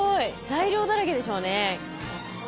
材料だらけでしょうね。